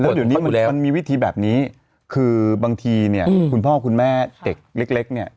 แล้วเดี๋ยวนี้มันมีวิธีแบบนี้คือบางทีเนี่ยคุณพ่อคุณแม่เด็กเล็กเนี่ย